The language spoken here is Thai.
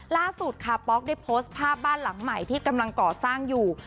ล่าสุดค่ะป๊อกได้โพสต์ภาพบ้านหลังใหม่ที่กำลังก่อสร้างอยู่